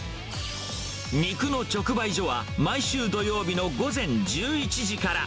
肉の直売所は、毎週土曜日の午前１１時から。